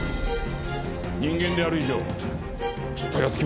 人間である以上失敗はつきものだ。